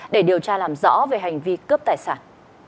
để điều tra làm rõ về hành vi cướp tài sản